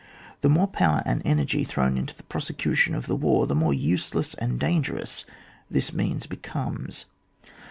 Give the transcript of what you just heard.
The more power and energy thrown into the prosecution of the war the more useless and dangerous this means becomes.